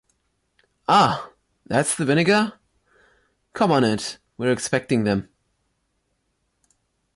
Ah! That’s the vinegar...? Come on it, we’re expecting them.